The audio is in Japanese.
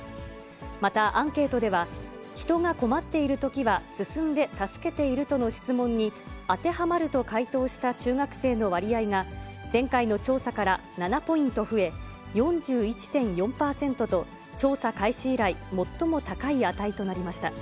またアンケートでは、人が困っているときは、進んで助けているとの質問に、当てはまると回答した中学生の割合が前回の調査から７ポイント増え、４１．４％と、調査開始以来、最も高い値となりました。